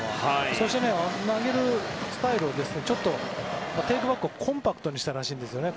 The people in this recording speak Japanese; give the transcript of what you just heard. そして、投げるスタイルをちょっとテイクバックをコンパクトにしたらしいんですね。